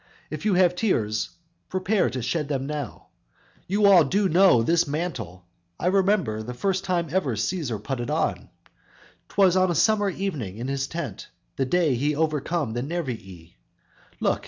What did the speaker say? If you have tears prepare to shed them now, You all do know this mantle; I remember The first time ever Cæsar put it on; 'Twas on a summer's evening in his tent; That day he overcame the Nervii; Look!